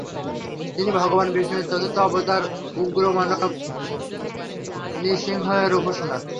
তিনি ভগবান বিষ্ণুর চতুর্থ অবতার উগ্রমাধব নৃসিংহ র উপাসনা